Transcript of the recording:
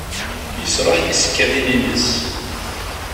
Yesṛuḥ tisekkadin-nnes.